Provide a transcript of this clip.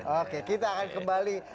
oke kita akan kembali